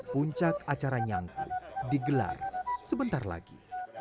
puncak acara nyangku digelar sebentar lagi